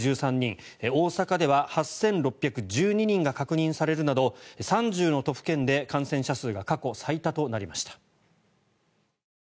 大阪では８６１２人が確認されるなど３０の都府県で感染者数が過去最多となりました。